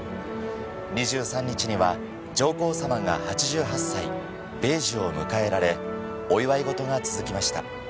２３日には上皇さまが８８歳米寿を迎えられお祝い事が続きました。